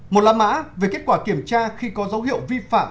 một là mã về kết quả kiểm tra khi có dấu hiệu vi phạm